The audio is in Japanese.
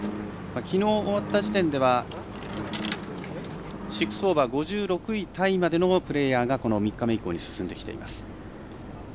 きのう、終わった時点では６オーバー５６位タイまでのプレーヤーが３日目以降に進んできています。